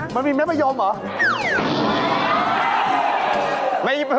มันมีแมวประโยมหรือ